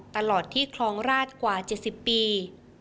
ตลอดที่คลองราชกว่า๗๐ปี